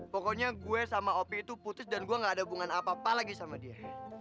pokoknya gue sama opi itu putus dan gue gak ada hubungan apa apa lagi sama dia